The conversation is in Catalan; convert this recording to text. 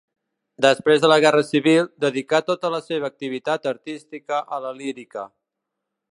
Després de la Guerra Civil, dedicà tota la seva activitat artística a la lírica.